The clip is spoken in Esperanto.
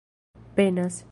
penas